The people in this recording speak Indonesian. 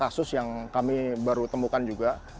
ada satu kasus yang kami baru temukan juga